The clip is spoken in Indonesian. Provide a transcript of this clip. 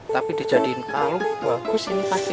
tapi dijadiin kalau bagus ini pasti